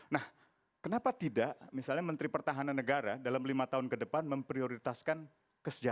nah kenapa tidak misalnya menteri pertahanan negara dalam lima tahun ke depan memprioritaskan